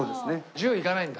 １０いかないんだ。